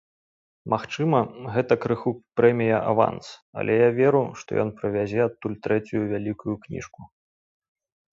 Магчыма, гэта крыху прэмія-аванс, але я веру, што ён прывязе адтуль трэцюю вялікую кніжку.